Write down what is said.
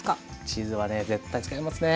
チーズはね絶対使いますね！